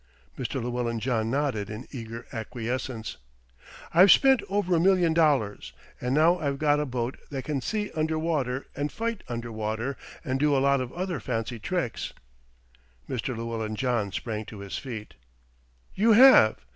Mr. Llewellyn John nodded in eager acquiescence. "I've spent over a million dollars, and now I've got a boat that can see under water and fight under water and do a lot of other fancy tricks." Mr. Llewellyn John sprang to his feet. "You have.